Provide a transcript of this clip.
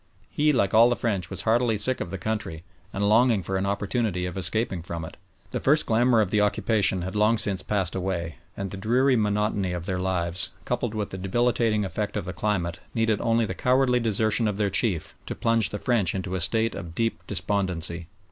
He, like all the French, was heartily sick of the country, and longing for an opportunity of escaping from it. The first glamour of the occupation had long since passed away, and the dreary monotony of their lives, coupled with the debilitating effect of the climate, needed only the cowardly desertion of their chief to plunge the French into a state of deep despondency.